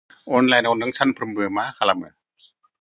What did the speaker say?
अनलाइनआव नों सानफ्रोमबो मा खालामो?